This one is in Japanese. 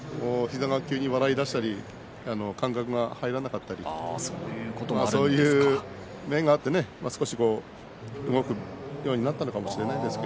膝が笑いだしたり感覚が入らなかったりそういう面があって少し動くようになったのかもしれないです。